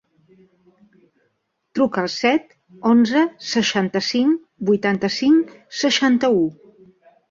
Truca al set, onze, seixanta-cinc, vuitanta-cinc, seixanta-u.